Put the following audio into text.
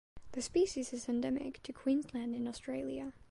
The species is endemic to Queensland in Australia.